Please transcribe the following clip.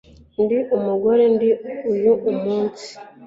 ndi umugore ndi uyu munsi